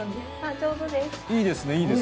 上手です。